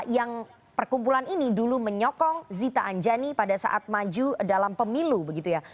yang perkumpulan ini dulu menyokong zita anjani pada saat maju dalam pemilu begitu ya